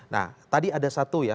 nah tadi ada satu ya